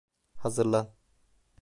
Hazırlan.